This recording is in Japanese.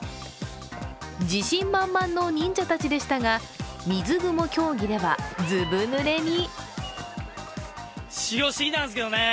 自信満々の忍者たちでしたが水蜘蛛競技ではずぶ濡れに。